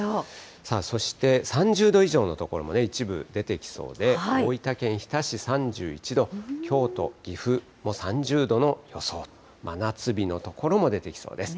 そして、３０度以上の所も一部出てきそうで、大分県日田市３１度、京都、岐阜も３０度の予想と、真夏日の所も出てきそうです。